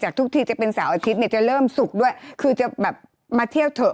ทุกทีจะเป็นเสาร์อาทิตย์เนี่ยจะเริ่มสุกด้วยคือจะแบบมาเที่ยวเถอะ